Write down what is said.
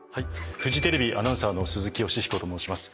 フジテレビアナウンサーの鈴木芳彦と申します。